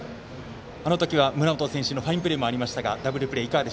あの時、村本選手のファインプレーもありましたが。